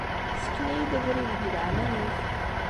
Ssken-iyi-d abrid, deg leɛnaya-k.